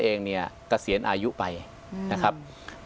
อันดับที่สุดท้าย